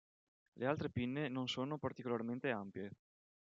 Le altre pinne non sono particolarmente ampie.